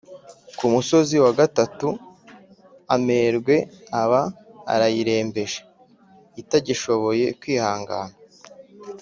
ku musozi wa gatatu, amerwe aba arayirembeje itagishoboye kwihangana;